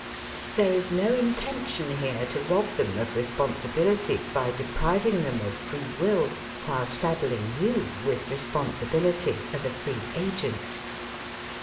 There is no intention here to rob them of responsibility by depriving them of free will while saddling you with responsibility as a free agent.